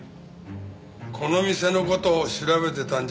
この店の事を調べてたんじゃないか？